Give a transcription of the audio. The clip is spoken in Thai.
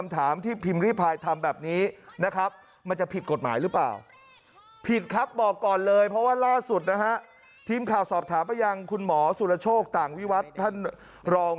ท่านล่าสุดนะฮะทีมข่าวสอบถามไปยังคุณหมอสุรโชคต่างวิวัตรท่านรอง